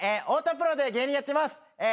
太田プロで芸人やってます。